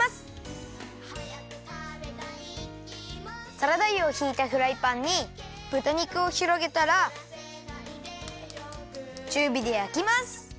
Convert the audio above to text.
サラダ油をひいたフライパンにぶた肉をひろげたらちゅうびでやきます。